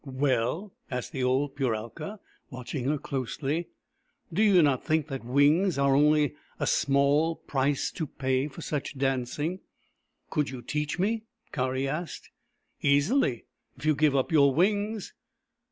" Well ?" asked the old ^uralka, watching her closely. " Do you not think that wings are only a small price to pay for such dancing ?"" Could you teach me ?" Kari asked. " Easily, if you give up your wings."